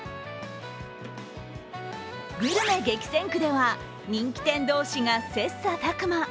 グルメ激戦区では、人気店同士が切磋琢磨。